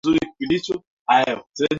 Ee Baba mikononi mwako naiweka roho yangu